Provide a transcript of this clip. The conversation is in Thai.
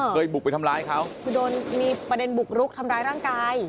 เคยบุกไปทำร้ายเขาคือโดนมีประเด็นบุกรุกทำร้ายร่างกาย